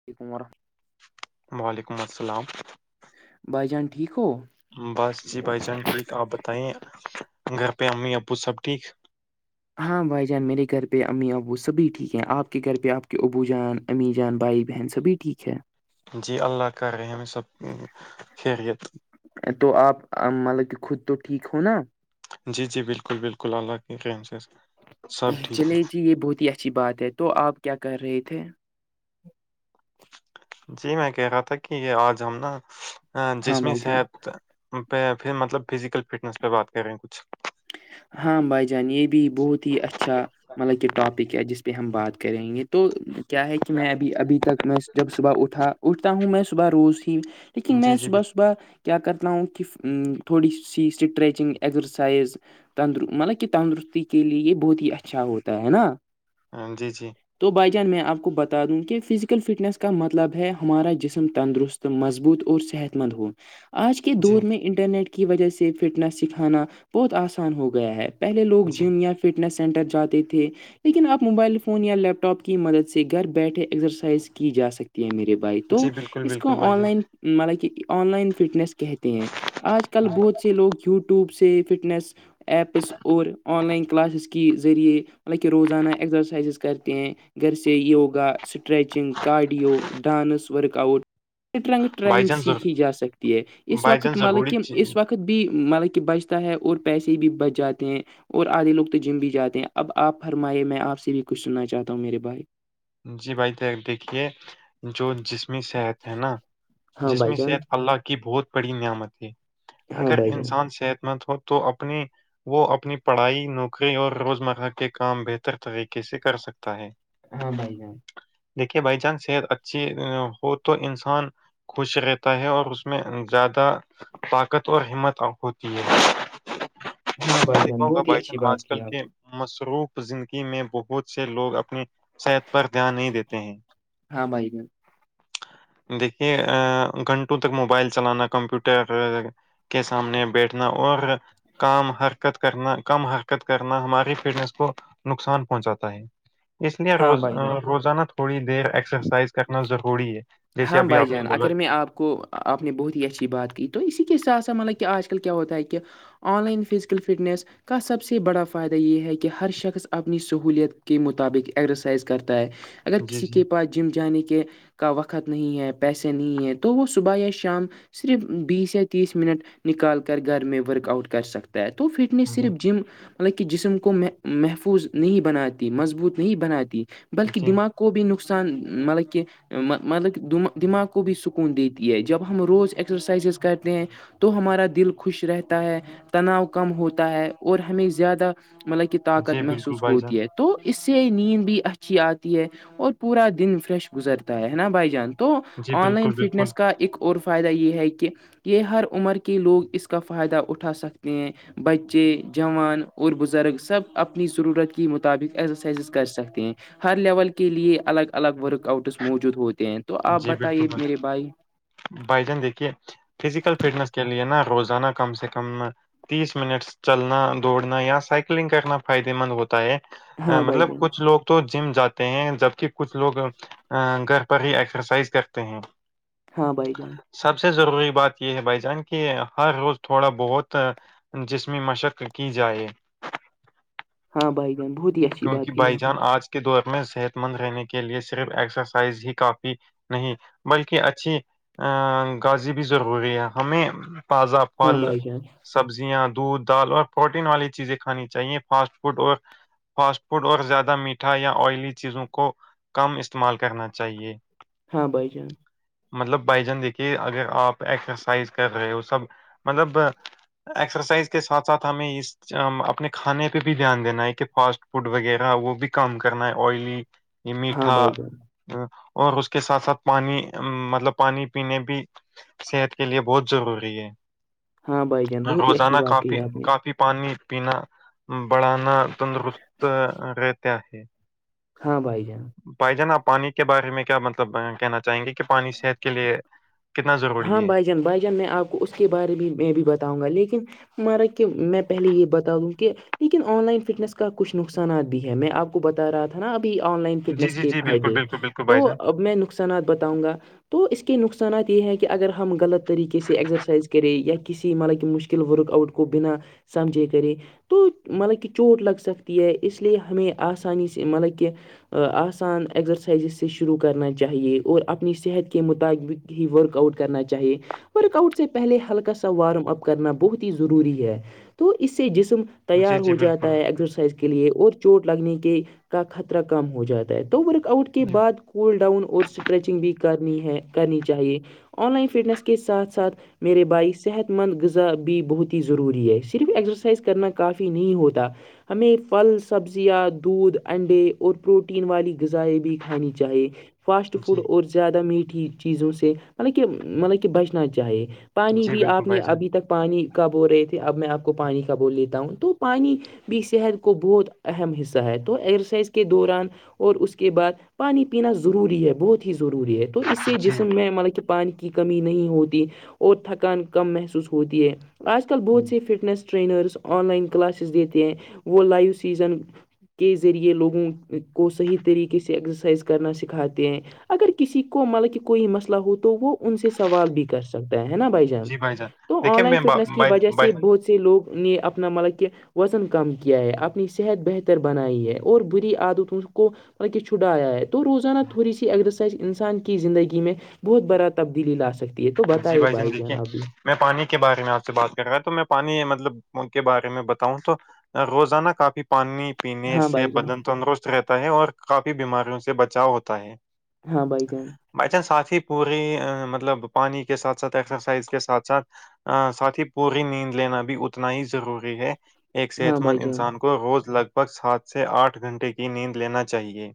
[unintelligible] وعلیکم السلام بھائی جان ٹھیک ہو بس جی بھائی جان ٹھیک آپ بتائیے گھر پہ امی او سب ٹھیک ہاں بھائی جان میرے گھر پہ امی ابو سبھی ٹھیک ہیں آپ کے گھر پہ آپ کے ابو جان امی جان بھائی بہن سبھی ٹھیک ہے جی اللہ کا رحم ہیں ہم سب خیریت تو آپ مطلب کہ خود تو ٹھیک ہو نا جی جی بالکل بالکل اللہ کی رحم سے سب ٹھیک ہے چلے جی یہ بہت ہی اچھی بات ہے تو آپ کیا کر رہے تھے جی میں کہہ رہا تھا کہ یہ آج ہم نا ہاں جسمی بھائی جان صحت پہ پھر مطلب فزیکل فٹنس پہ بات کر رہیں کچھ ہاں بھائی جان یہ بھی بہت ہی اچھا مطلب کہ ٹاپک ہے جس پہ ہم بات کریں گے تو کیا ہے کہ میں ابھی ابھی تک میں جب صبح اٹھا اٹھتا ہوں میں صبح روز ہی لیکن میں جی جی صبح صبح کیا کرتا ہوں کہ تھوڑی سی اسٹریچنگ اگزرسائز تندر مطلب کہ تندرستی کے لیے یہ بہت ہی اچھا ہوتا ہے نا ہاں جی جی تو بھائی جان میں آپ کو بتا دوں کہ فزیکل فٹنس کا مطلب ہے ہمارا جسم تندرست تو مضبوط اور صحت مند ہ آج کے جی دور میں انٹرنیٹ کی وجہ سے فٹنس سکھانا بہت آسان ہو گیا ہے پہلے لوگ جی جم یا فٹنس سینٹر جاتے تھے لیکن آپ موبائل فون یا لیپ ٹاپ کی مدد سے گھر بیٹھے ایکسرسائز کی جا سکتی ہیں میرے تو جی بالکل اس کو بالکل بھائی آن جان لائن مطلب کہ آن لائن فٹنیس کہتے ہیں آج کل بہت سے لوگ یو ٹیوب سے فٹنس ایپس اور آن لائن کلاسز کی ذریعے مطلب کہ روزانہ ایکگزرسائزز کرتے ہیں گھر سے yoga stretching cardio dance workout ٹ رنگ بھائی ٹریننگ جان ضرور سیکھی جا سکتی ہے اس بھائی جان وقت مطلب ضروری کہ چی- اس وقت بھی مطلب کہ بچتا ہے اور پیسے بھی بچ جاتے ہیں اور آدے لوگ تو جم بھی جاتے ہیں اب آپ فرمے میں آپ سے بھی کچھ سننا چاہتا ہوں میرے بھائی جی بھائی دیکھیے جو جسمی صحت ہے نا ہاں جس بھائی میں جان صحت اللہ کی بہت بڑی نعمت ہے ہاں اگر بھائی جان انسان صحت مند ہو تو اپنی وہ اپنی پڑھائی نوکری اور روز مرہ کے کام بہتر طریقے سے کر سکتا ہے ہاں بھائی ہاں دیکھیے بائی جانس صحت اچھی ہو تو انسان خوش رہتا ہے اور اس میں زیادہ طاقت اور ہمت ہوتی ہے ہاں آ میں بھائی دیکھا جان ہوگا بہت ہی بھائی جان اچھی بات آج کل کی آپ کے نے مصروف زندگی میں بہت سے لوگ اپنی صحت پر دھیان نہیں دیتے ہیں ہاں بھائی میرے دیکھیے ا گھنٹوں تک موبائل چلانا کمپیوٹر کے سامنے بیٹھنا اور کام حرکت کرنا کم حرکت کرنا ہماری فٹنیس کو نقصان پہنچاتا ہے اس لیے ہاں روز بھائی جان روزانہ تھوڑی دیر ایکسرسائز کرنا ضروری ہے جیسے ہاں ابھی بھائی آپ نے جان بولا اگر میں آپ کو آپ نے بہت ہی اچھی بات کی تو اسی کے حساتھ سا مطلب کہ آج کل کیا ہوتا ہے کہ آن لائن فزیکل فٹنیس کا سب سے بڑا فائدہ یہ ہے کہ ہر شخص اپنی سہولیت کے مطابق ایگزرسائز کرتا ہے اگر جی کسی جی کے پاس جم جانے کے کا وقت خت نہیں ہے پیسے نہیں ہے تو وہ صبح یا شام صرف بیس یا تیس منٹ نکال کر گھر میں ورک آؤٹ کر سکتا پ توو فٹنیس جی صرف جم حکہ جسم کو محفوظ نہیں بناتی مضبوط نہیں بناتی بلکہ جی دماغ کو بھی نقصان مطلب کہ مطلبا دماغ کو بھی سکون دیتی ہے جب ہم روز ایکسرسائزز کرتے ہیں تو ہمارا دل خوش رہتا ہے تناؤ کم ہوتا ہے اور ہمیں زیادہ مطلب کہ طاقت جی بالکل محسوس بھائی جان ہوتی ہے تو اس سے نیند بھی اچھی آتی ہے اور پورا دن فریش گزرتا ہے نا بھائی جان تو جی آن لائن بالکل بالکل فٹنس کا ایک اور فائدہ یہ ہے کہ یہ ہر عمر کے لوگ اس کا فائدہ اٹھا سکتے ہیں بچے جوان اور بزرگ سب اپنی ضرورت کے مطابق ایسرسائزز کر سکتے ہیں ہر لیول کے لیے الگ الگ ورک آؤٹس موجود ہوتے ہیں تو آپ جی بالکل بتائیے ب میرے بھائی بھائی جان دیکھیے فزیکل فٹنس کے لے نا روزانہ کم سے کم تیس منٹس چلنا دوڑنا یا سائکلنگ کرنا فائدے مند ہوتا ہے ہاں بھائی مطلب جان کچھ لوگ تو جم جاتے ہیں جبک کچھ لوگ ا گھر پر ہی ایک ایکسرسائز کرتے ہیں ہاں بھائی جان سب سے ضروری بات یہ ہے بھائی جان کہ ہر روز تھوڑا بہت جس میں مشق کی جائے ہاں بھائی جن بہت ہی اچھی بات کیونکہ کہی بھائی آپ نے جان آج دور میں صحت مند رہنے کے لئے صرف ایکسرسائز ہی کافی نہیں بلکہ اچھی ا گازی بھی ضروری ہے ہمیں تازہ ہاں پل بھائی جان سبزیاں دودھ دال اور پروٹین والی چیزیں کھانی چاہیے فاسٹ فوڈ اور فاسٹ فوڈ اور زیادہ میٹھا یا آئلی چیزوں کو کم استعمال کرنا چاہیے ہاں بھائی جان مطلب بائی جان دیکھیے اگر آپ ایکسرسائز کر رہے ہو سب مطلب ایکسرسائز کے سھ ساتھ ہمیں اس اپنے کھانے پہ بھی دھیان دینا ہے کہ فاسٹ فوڈ وغیرہ وہ بھی کم کرنا ہے آئلی یہ ہاں میٹھا بھائی جان اور اس کے ساتھ ساتھ پانی مطلب پانی پینے بھی صحت کے لیے بہت ضروری ہے ہاں بھائی جان بہت ہی اچھی روزانہ بات کہی کافی آپ نے کافی پانی پنا بڑانا تندرست رہتے ہے ہاں بائی جان بھائی جان آپ پانی کے بارے میں کیا مطلب کہنا چاہیں گے کہ پانی صحت کے لیے کتنا ہاں ضروری ہے بھائی جان بھائی جان میں آپ کو اس کے بارے میں بھی میں بھی بتاؤں گا لیکن مارا کیوں میں پہلے یہ بتا دوں کہ لیکن آن لائن فٹنس کا کچھ نقصانات بھی ہے میں آپ کو بتا رہا تھا نا ابھی آن لائن جی فٹنس جی کے جی بالکل فائدے بالکل بالکل تو بھائی جان اب میں نک نقصانات بتاؤں گا تو اس کے نقصانات یہ ہے کہ کہ اگر ہم غلط طریقے سے ایکزرسائز کریں یا کسی مط کہ مشکل ورک آؤٹ کو بنا سمجھی کری تو مطلب کہ چوٹ لگ سکتی ہے اس لیے ہمیں آسانی سے مطلب کہ آسان ایکسرسائزز سے شروع کرنا چاہیے اور اپنی صحت کے مطابق ہی ورک آؤٹ کرنا چاہیے ورک آؤٹ سے پہلے ہلکا سا وارم اپ کرنا بہت ہی ضروری ہے تو اس سے جسم تیار جی جی ہو جاتا بالکل ہے ایکسرسائز کے لیے اور چوٹ لگنے کے کا خطرہ کم ہو جاتا ہے ورک آؤٹ کے جی بعد کول ڈاؤن اور اسٹریچنگ بھی کرنی ہے کرنی چاہیے آن لائن فٹنس کے ساتھ ساتھ میرے بھائی صحت مند غذا بھی بہت ہی ضروری ہے صرف ایکسرسائز کرنا کافی نہیں ہوتا ہمیں پھل سبزیاں دودھ انڈے اور پروٹین والی غذائیں بھی کھانی چاہیے فاسٹ فوڈ جی اور زیادہ میٹھی چیزوں سے مطلب کہ مطلب کہ بچنا چاہیے پانی جی بھی بالکل آپ نے بھائی جان ابھی تک پانی کا بو رہے تھے اب میں آپ کو پانی کا بو لیتا ہوں تو پانی بھی صحت کو بہت اہم حصہ ہے تو ایگزرسائز کے دوران اور اس کے بعد پانی پینا ضروری ہے بہت ہی ضروری ہے تو اس سے جی جسم میں مطلب کہ پانی کی کمی نہیں ہوتی اور تھکان کم محسوس ہوتی ہے آج کل بہت سی fitness trainers online classes دیتے ہیں وہ لائیو سیزن کے ذریعے لوگوں کو صحیح طریقے سے ایکسرسائز کرنا سکھاتے ہیں اگر کسی کو مطلب کہ کوئی مسئلہ ہو تو وہ ان سے سوال بھی کرس سکتا ہے نا بھائی جان جی تو آن دیکھیں لائن میں با- فٹنس کی بھائی وجہ سے بھائی- بہت سے لوگ نے اپنا مطلب کہ وزن کم کیا ہے اپنی صحت بہتر بنائی ہے اور بری عادتوں کو مطلب کہ چھٹایا ہے تو روزانہ تھوڑی سی ایگزرسائز انسان کی زندگی میں بہت بڑا تبدیلی لا سکتی ہے تو بتائیے بھائی جان اب بھی میں پانی کے بارے میں آپ سے بات کر رہا تو میں پانی مطلب کے بارے میں بتاؤں تو روزانہ کافی پانی پینے ہاں سے بھائی جان بدن تندرست رہتا ہے اور کافی بیماریوں سے بچاؤ ہوتا ہے ہاں بھائی جان بائی چانس ساتھ ہی پوری مطلب پانی کے ساتھ ساتھ ایکسرسائز کے ساتھ ساتھ ساتھ ہی پوری نیند لینا بھی اتنا ہی ضروری ہے ایک ہاں صحت مند بھائی جان انسان کو روز لگ بھگ سات سے آٹھ گھنٹے کی نیند لینا چاہیئے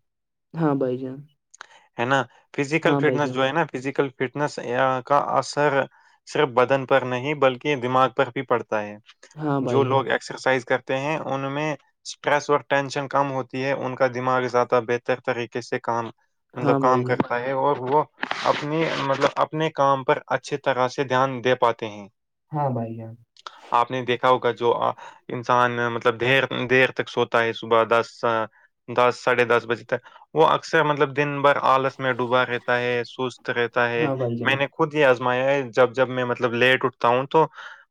ہاں بھائی جان ہے نا فیزیکل ہاں بھائی فٹنس جو ہے نا فزیکل فٹس کا اثر صرف بدن پر نہیں بلکہ دماغ پر بھی پڑتا ہے جو جان لوگ ایکسرسائز کرتے ہیں ان میں اسٹریس ٹینشن کم ہوتی ہے ان کا دماغ زیادہ بہتر طریقے سے کام مطلب ہاں بھائی کام جان کرتا ہے اور وہ اپنی مطلب اپنے کام پر اچھی طرح سے دھیان دے پاتے ہیں ہاں بھائی ہاں آپ نے دیکھا ہوگا جو انسان مطلب دیر دیر تک سوتا ہے صبح دس دس ساڈھے دس بجے تک وہ اکثر مطلب دن بھر آلس میں ڈوبا رہتا ہے سست رہتا ہے ہاں بھائی میں جان نے خود یہ آزمایا ہے جب جب میں مطلب لیٹ اٹھتا ہوں تو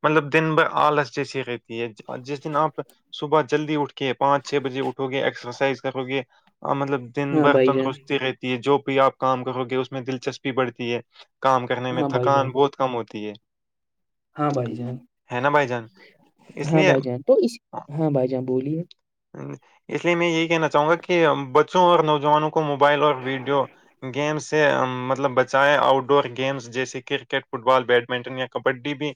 مطلب دن بھر آلس جیسی رہتی ہے جس دن آپ صبح جلدی اٹھ کہ پانچ چھ بجے اٹھو گے ایکسرسائز کرو گے مطلب دن ہاں بھر بھائی جان تندرستی رہتی جو بھی آپ کام کرو گے اس میں دلچسپی بڑھتی ہے کام کرنے میں ہاں بھائی تھکان جان بہت کم ہوتی ہے ہاں بھائی جان ہے نا بھائی جان اس ہاں لیے بھائی جان تو اس ہاں بھائی جان بولیے اس لیے میں یہی کہنا چاہوں گا کہ بچوں اور نوجوانوں کو کو موبائل اور ویڈیو گیم سے مطلب بچائے آؤٹ ڈور گیمس جیسے کرکٹ فٹ بال بیڈمنٹن یا کبڈی بھی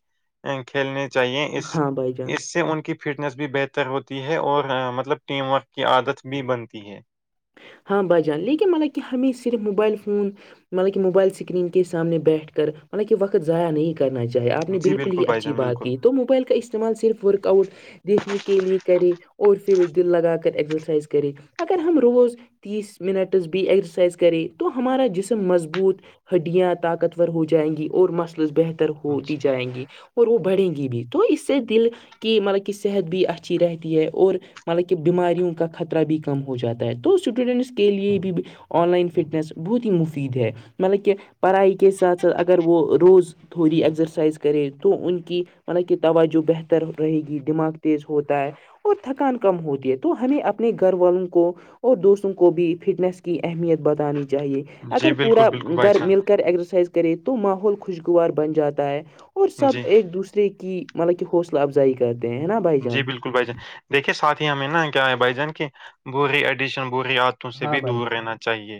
کھیلنے چاہیے اس ہاں بھائی جان اس سے ان کی فٹنیس بھی بہتر ہوتی ہے اور مطلب ٹیم ورک کی عادت بھی بنتی ہے ہاں بجان لیکن مطلب کہ ہمیں صرف موبائل فون مطلب کہ موبائل اسکرین کے سامنے بیٹھ کر مطلب کہ وقت ضائع نہیں کر کرنا چاہے آپ نے جی بالکل ہی بھائی اچھی جان بات بالکل کی تو موبائل کا استعمال صرف ورک آؤٹ دیکھنے کے لیے کریں اور پھر دل لگا کر ایکسرسائز کرے اگر ہم روز تیس منٹس بھی ایگزرسائز کرے تو ہمارا جسم مضبوط ہڈیاں طاقتور ہو جائیں گی اور مسلس بہتر ہوتی جی جائیں گی اور وہ بڑھیں گی بھی تو اس سے دل کہ مطلب کہ صحت بھی اچھی رہتی ہے اور مطلب کہ بیماریوں کا خطرہ بھی کم ہو جاتا ہے تو اسٹوڈنٹس کے لیے بھی آن لائن فٹنس بہت ہی مفید ہے مطلب کہ پڑھائی کے ساتھ ساتھ اگر وہ روز تھوڑی ایزرسائز کرے تو ان کی ملا کہ توجہ بہتر رہے گی دماغ تیز ہوتا ہے اور تھکان کم ہوتی ہے تو ہمیں اپنے گھر والوں کو اور دوستوں کو بھی فٹنس کی اہمیت بتانی چاہیے جی اگر بالکل پورا بالکل بھائی گھر مل جان ایکسرسائز کرے تو ماحول خوشگوار بن جاتا ہے اور سب جی ایک دوسرے کی مطلب کہ حوصلہ افزائی کرتے ہیں نا بھائی جی جان بالکل بھائی جان دیکھیے ساتھی ہمیں نا کیا ہے بھائی جان کی بری ایڈیکشن بری عادتوں سے ہاں بھی بھائی دور رہنا چاہیے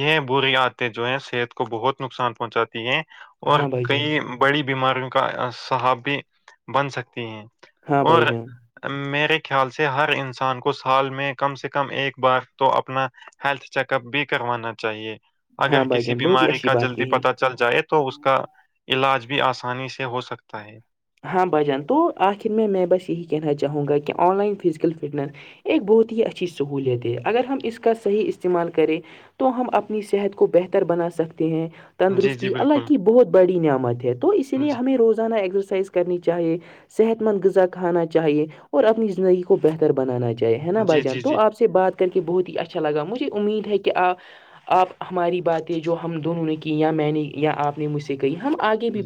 یہ بری آتےیں جو ہیں صحت کو بہت نقصان پہنچاتی ہیں اور ہاں بھائی جان کئی بڑی بیماریوں کا صحاب بھی بن سکتی ہیں ہاں بھائی اور جان میرے خیال سے ہر انسان کو سال میں کم سے کم ایک بار تو اپنا ہیلتھ چیک اپ بھی کروانا چاہیے ہاں اگر بھائی کسی جان بہت ہی بیماری اچھی کا بات جلدی کہی پتا چل جائے تو اس کا علاج بھی آسانی سے ہو سکتا ہے ہاں بھجان تو آخر میں میں بس یہی کہنا چاہوں گا کہ آن لائن فزیکل فٹنس ایک بہت ہی اچھی سہولیت ہے اگر ہم اس کا صحیح استعمال کریں تو ہم اپنی صحت کو بہتر بنا سکتے ہیں جی جی تندرستی اللہ بالکل کی بہت بڑی نعمت ہے تو اسی لیے جی ہمیں روزانہ ایکسرسائز کرنی چاہیے صحت مند غذا کھانا چاہیے اور اپنی زندگی کو بہتر بنانا چاہیے ہے نا جی بھائی جان جی تو جی آپ سے بات کر کے بہت ہی اچھا لگا مجھے امید ہے کہ آپ آپ ہماری باتیں جو ہم دونوں نے کییں یا میں نے یا آپ نے مجھ سے کہی ہم آگ بھی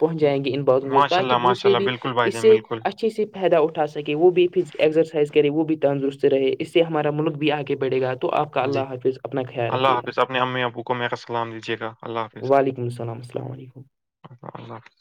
پہنچ جائیں گے ان باتوں کو ماشاء تاکہ اللہ ماشاء دوسرے اللہ بھی بالکل بھائی اس جان سے بالکل اچھا اچھے سے فائدہ اٹھا سکے وہ بھی ایکسرسائز کرے وہ بھی تندرست رہے اس سے ہمارا ملک بھی آگے بڑھے گا تو آپ کا جی اللہ حافظ اپنا خیال اللہ رکھیے گا حافظ اپنے امی ابو کو میرا سلام دیجیے گا اللہ حافظ وعلیکم السلام السلام علیکم اللہ حافظ